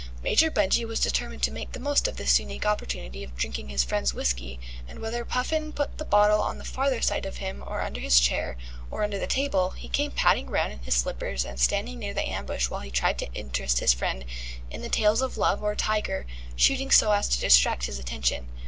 Major Benjy was determined to make the most of this unique opportunity of drinking his friend's whisky, and whether Puffin put the bottle on the farther side of him, or under his chair, or under the table, he came padding round in his slippers and standing near the ambush while he tried to interest his friend in tales of love or tiger shooting so as to distract his attention.